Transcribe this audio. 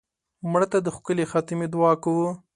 مړه ته د ښکلې خاتمې دعا کوو